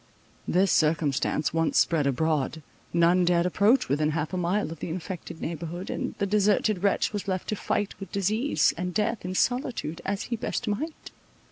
This circumstance once spread abroad, none dared approach within half a mile of the infected neighbourhood, and the deserted wretch was left to fight with disease and death in solitude, as he best might.